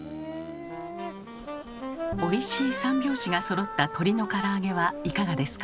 おいしい三拍子がそろった鶏のから揚げはいかがですか？